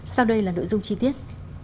sau đây là nội dung chi tiết